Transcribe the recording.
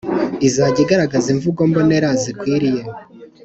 izajya igaragaza imvugo mbonera zikwiriye